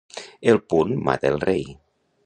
El punt mata el rei.